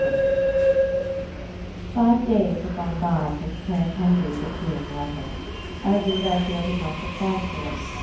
io8 TWO Five days had gone by since Clare Kendry's appealing letter. Irene Redfield had not replied to it.